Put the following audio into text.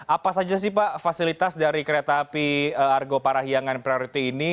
apa saja sih pak fasilitas dari kereta api argo parahiangan priority ini